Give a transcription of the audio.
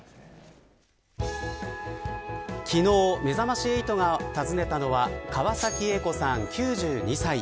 昨日、めざまし８が訪ねたのは川崎榮子さん９２歳。